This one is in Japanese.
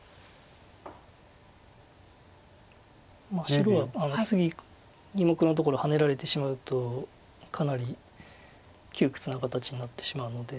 白は次２目のところハネられてしまうとかなり窮屈な形になってしまうので。